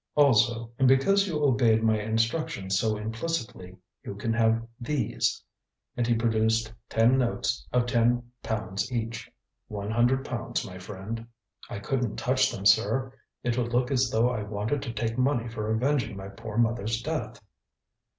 Also, and because you obeyed my instructions so implicitly, you can have these," and he produced ten notes of ten pounds each. "One hundred pounds, my friend." "I couldn't touch them, sir. It would look as though I wanted to take money for avenging my poor mother's death."